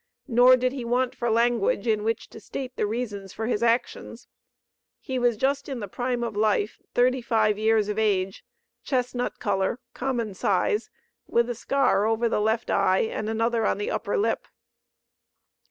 Nor did he want for language in which to state the reasons for his actions. He was just in the prime of life, thirty five years of age, chestnut color, common size, with a scar over the left eye, and another on the upper lip.